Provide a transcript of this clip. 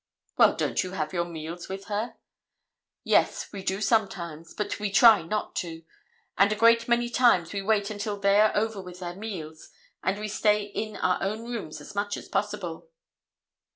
"Well, don't you have your meals with her?" "Yes, we do sometimes; but we try not to, and a great many times we wait until they are over with their meals, and we stay in our own rooms as much as possible."